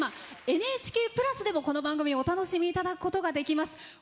「ＮＨＫプラス」でもこの番組お楽しみいただくことができます。